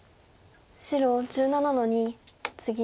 白１７の二ツギ。